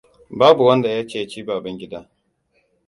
Babu wanda ya ceci Babangida.